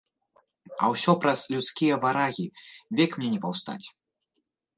А ўсё праз людскія варагі век мне не паўстаць.